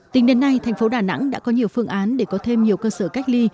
tính đến nay thành phố đà nẵng đã có nhiều phương án để có thêm nhiều cơ sở cách ly